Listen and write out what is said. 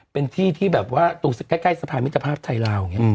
เป็นที่ที่แถวสะแค่สภาพมิจภาพไทยลาว